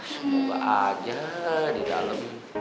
semoga aja di dalem